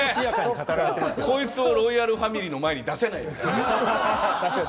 こいつをロイヤルファミリーの前には出せないというね。